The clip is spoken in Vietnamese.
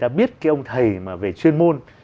ta biết cái ông thầy mà về chuyên môn